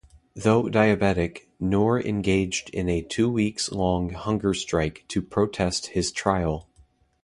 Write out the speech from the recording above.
Though diabetic, Nour engaged in a two-weeks long hunger strike to protest his trial.